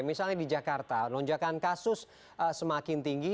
misalnya di jakarta lonjakan kasus semakin tinggi